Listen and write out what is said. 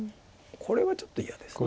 これはちょっと嫌です。